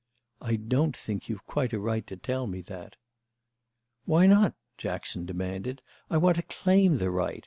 "I don't think you've quite a right to tell me that." "Why not?" Jackson demanded. "I want to claim the right.